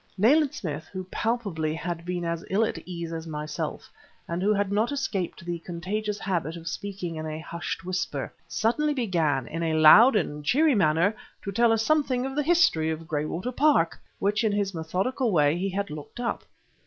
Nayland Smith, who palpably had been as ill at ease as myself, and who had not escaped the contagious habit of speaking in a hushed whisper, suddenly began, in a loud and cheery manner, to tell us something of the history of Graywater Park, which in his methodical way he had looked up.